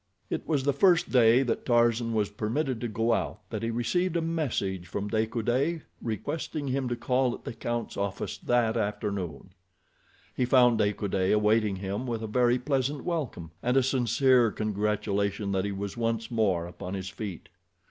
It was the first day that Tarzan was permitted to go out that he received a message from De Coude requesting him to call at the count's office that afternoon. He found De Coude awaiting him with a very pleasant welcome, and a sincere congratulation that he was once more upon his feet.